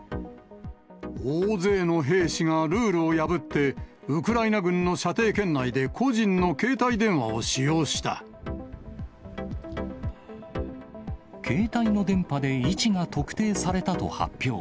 大勢の兵士がルールを破って、ウクライナ軍の射程圏内で個人の携帯の電波で位置が特定されたと発表。